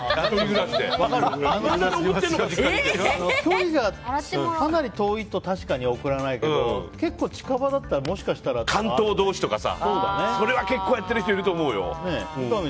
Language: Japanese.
距離がかなり遠いと送らないけど、結構近場だったら関東同士とかね。それは結構やってる人いると思うよ。